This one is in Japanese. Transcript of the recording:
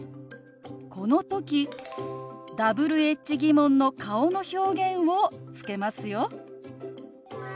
この時Ｗｈ−疑問の顔の表現をつけますよ。